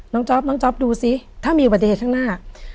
จ๊อปน้องจ๊อปดูซิถ้ามีอุบัติเหตุข้างหน้า